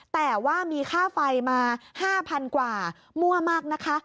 แต่ว่ามีค่าไฟมา๕๐๐๐กว่ามั่วมากนะคะ